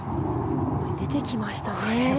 出てきましたね。